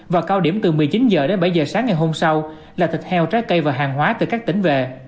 và cao điểm từ một mươi chín h đến bảy h sáng ngày hôm sau là thịt heo trái cây và hàng hóa từ các tỉnh về